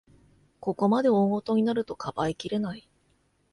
ここまで大ごとになると、かばいきれない